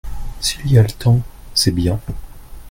S'il y a le temps c'est bien.